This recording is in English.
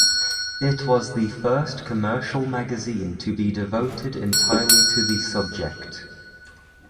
It was the first commercial magazine to be devoted entirely to the subject.